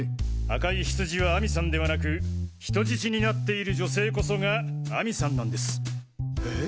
赤いヒツジは亜美さんではなく人質になっている女性こそが亜美さんなんです。